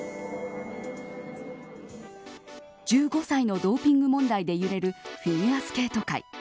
１５歳のドーピング問題で揺れるフィギュアスケート界。